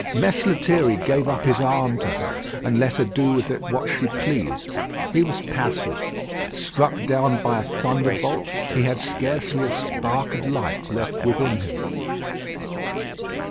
Mess Lethierry gave up his arm to her, and let her do with it what she pleased. He was passive. Struck down by a thunderbolt, he had scarcely a spark of life left within him.